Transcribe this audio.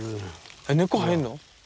えっ根っこ生えんの？